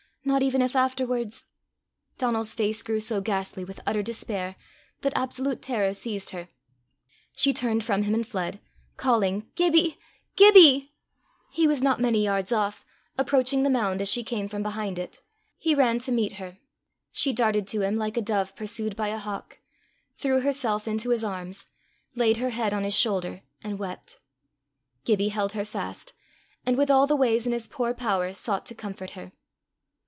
not even if afterwards " Donal's face grew so ghastly with utter despair that absolute terror seized her; she turned from him and fled, calling "Gibbie! Gibbie!" He was not many yards off, approaching the mound as she came from behind it. He ran to meet her. She darted to him like a dove pursued by a hawk, threw herself into his arms, laid her head on his shoulder, and wept. Gibbie held her fast, and with all the ways in his poor power sought to comfort her.